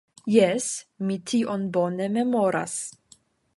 Jes, mi tion bone memoras.